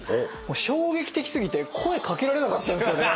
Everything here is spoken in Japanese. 衝撃的過ぎて声掛けられなかったんですよね。